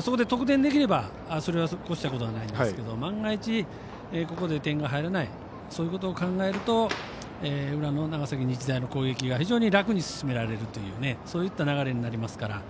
そこで得点できればそれに越したことはないですが万が一、ここで点が入らないそういうことを考えると裏の長崎日大の攻撃が非常に楽に進められるというそういった流れになりますから。